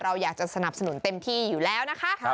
เราอยากจะสนับสนุนเต็มที่อยู่แล้วนะคะ